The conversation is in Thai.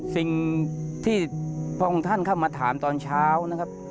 สิ่งที่พระองค์ท่านเข้ามาถามตอนเช้านะครับ